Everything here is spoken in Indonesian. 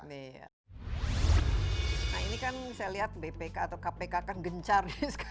nah ini kan saya lihat bpk atau kpk kan gencar